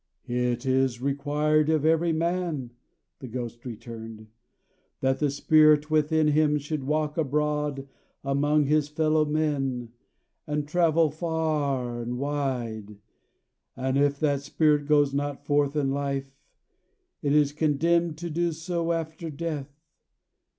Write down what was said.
"It is required of every man," the Ghost returned, "that the spirit within him should walk abroad among his fellow men, and travel far and wide; and if that spirit goes not forth in life, it is condemned to do so after death.